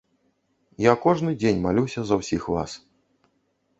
Я кожны дзень малюся за ўсіх вас.